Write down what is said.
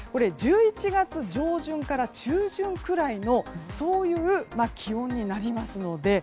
１１月上旬から中旬くらいのそういう気温になりますので。